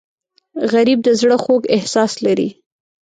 غریب د زړه خوږ احساس لري